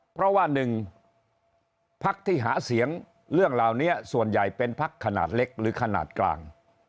เพราะว่าหนึ่งพักที่หาเสียงเรื่องเหล่านี้ส่วนใหญ่เป็นพักขนาดเล็กหรือขนาดกลาง